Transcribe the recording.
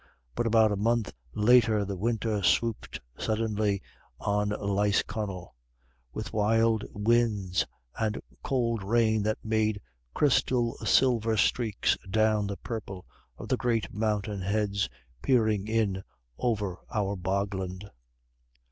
But about a month later the winter swooped suddenly on Lisconnel: with wild winds and cold rain that made crystal silver streaks down the purple of the great mountainheads peering in over our bogland.